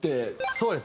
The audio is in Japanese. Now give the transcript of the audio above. そうですね